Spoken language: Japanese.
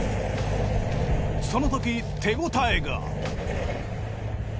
その時手応えが！